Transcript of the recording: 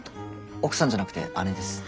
奥さんじゃなくて姉です。